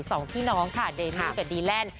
สองพี่น้องค่ะเดมี่กับดีแลนด์